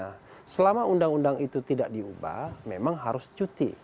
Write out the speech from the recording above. nah selama undang undang itu tidak diubah memang harus cuti